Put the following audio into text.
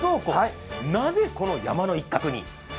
なぜこの山の一角に？